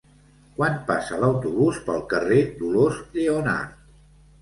Quan passa l'autobús pel carrer Dolors Lleonart?